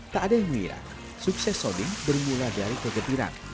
tak ada yang mengira sukses soding bermula dari kegetiran